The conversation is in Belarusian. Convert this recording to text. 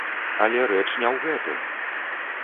Але рэч не ў гэтым!